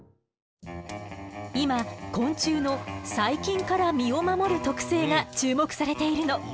今昆虫の「細菌から身を守る特性」が注目されているの。